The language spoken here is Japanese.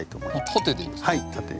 縦でいいですね。